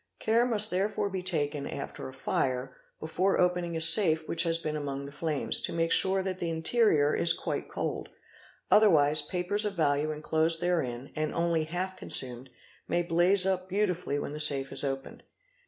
Care must therefore be taken, after a fire, before opening a safe which has been among the flames, to make sure that the interior is quite cold; otherwise papers of value enclosed therein and only half consumed may blaze up beautifully when the safe is opened.